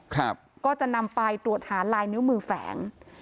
ก็จะนำไปตรวจหาลายนิ้วมือแฝง